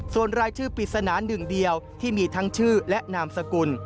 ส่วนรายชื่อปริศนาหนึ่งเดียวที่มีทั้งชื่อและนามสกุล